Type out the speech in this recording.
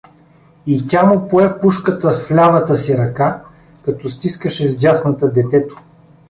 И тя му пое пушката в лявата си ръка, като стискаше с дясната детето.